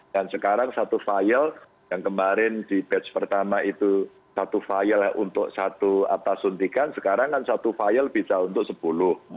dan sekarang satu file yang kemarin di batch pertama itu satu file untuk satu suntikan sekarang kan satu file bisa untuk sepuluh